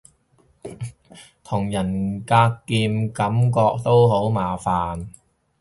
同人格劍感覺都好麻煩